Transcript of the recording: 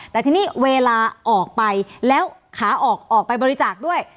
แต่ทีนี้เวลาออกไปแล้วขาออกออกไปบริจาคด้วย